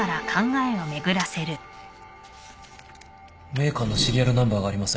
メーカーのシリアルナンバーがありません